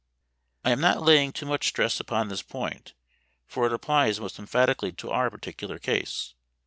I am not laying too much stress upon this point; for it applies most emphatically to our particular case.